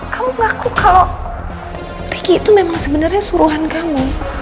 kamu ngaku kalau riki itu memang sebenarnya suruhan kamu